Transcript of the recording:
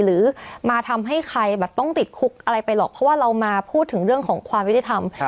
หรือมาทำให้ใครแบบต้องติดคุกอะไรไปหรอกเพราะว่าเรามาพูดถึงเรื่องของความยุติธรรม